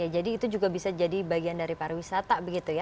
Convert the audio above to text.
jadi itu juga bisa jadi bagian dari pariwisata begitu ya